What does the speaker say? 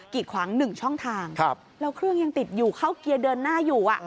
ีดขวาง๑ช่องทางแล้วเครื่องยังติดอยู่เข้าเกียร์เดินหน้าอยู่